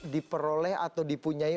diperoleh atau dipunyai